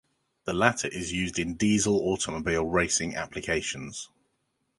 The latter is used in diesel automobile racing applications.